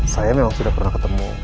saya memang sudah pernah ketemu